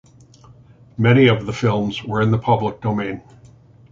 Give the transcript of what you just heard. Many of the films were in the public domain.